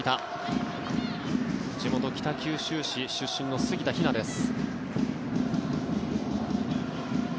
地元・北九州市出身の杉田妃和です。